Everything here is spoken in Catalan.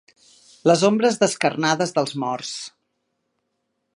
Les ombres descarnades dels morts.